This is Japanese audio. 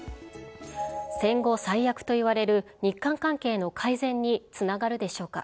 戦後、最悪といわれる日韓関係の改善につながるでしょうか。